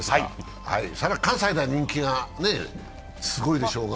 関西では人気がすごいでしょうが。